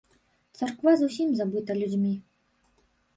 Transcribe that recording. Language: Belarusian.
Царква зусім забыта людзьмі.